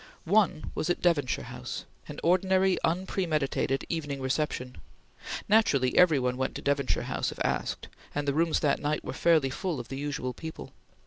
One was at Devonshire House, an ordinary, unpremeditated evening reception. Naturally every one went to Devonshire House if asked, and the rooms that night were fairly full of the usual people.